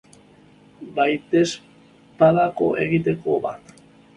Baitezpadako egiteko bat.